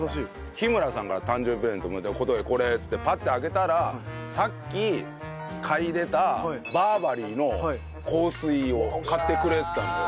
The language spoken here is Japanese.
日村さんから誕生日プレゼントもらって「小峠これ」っつってパッて開けたらさっき嗅いでたバーバリーの香水を買ってくれてたのよ。